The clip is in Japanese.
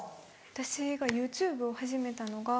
私がＹｏｕＴｕｂｅを始めたのが。